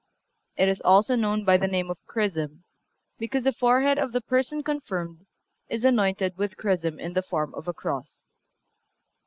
It is also known by the name of Chrism, because the forehead of the person confirmed is anointed with chrism in the form of a cross.